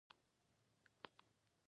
اړیکې یې د رښتیاوو پر اساس وي.